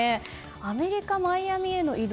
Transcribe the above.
アメリカ・マイアミへの移動